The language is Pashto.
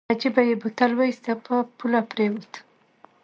له جېبه يې بوتل واېست په پوله پرېوت.